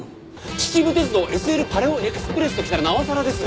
秩父鉄道ＳＬパレオエクスプレスときたらなおさらです！